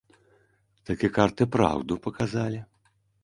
Такі карты праўду паказалі.